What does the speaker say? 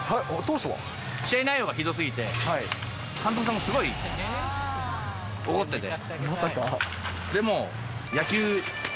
試合内容がひどすぎて、監督さんがすごい怒ってて。